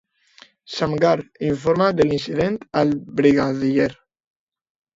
Shamgar informa de l'incident al brigadier.